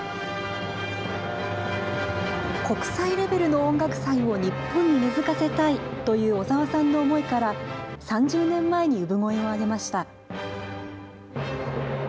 国際レベルの音楽祭を日本に根づかせたいという小澤さんの思いから、３０年前に産声を上げました。